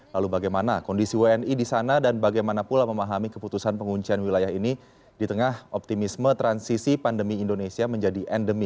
lalu bagaimana kondisi wni di sana dan bagaimana pula memahami keputusan penguncian wilayah ini di tengah optimisme transisi pandemi indonesia menjadi endemi